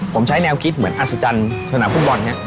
ผมใช้แนวคิดเหมือนอสจันทร์ชนะฟุตบอล